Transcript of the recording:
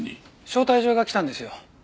招待状が来たんですよ。